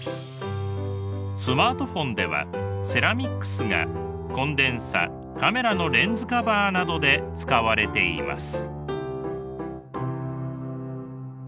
スマートフォンではセラミックスがコンデンサカメラのレンズカバーなどで使われています。